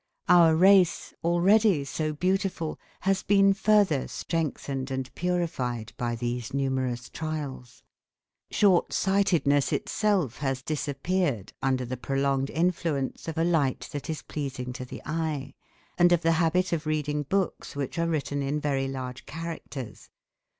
Our race, already so beautiful, has been further strengthened and purified by these numerous trials. Short sightedness itself has disappeared under the prolonged influence of a light that is pleasing to the eye, and of the habit of reading books which are written in very large characters.